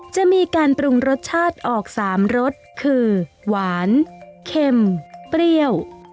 จะมีการปรุงรสชาติออก๓รสคือหวานเค็มเปรี้ยว